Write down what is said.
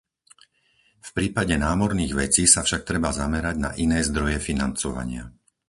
V prípade námorných vecí sa však treba zamerať na iné zdroje financovania.